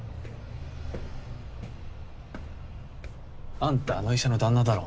あんたあの医者の旦那だろ？